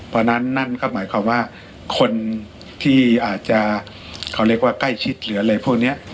เพราะฉะนั้นนั่นก็หมายความว่าคนที่อาจจะเขาเรียกว่าใกล้ชิดหรืออะไรพวกนี้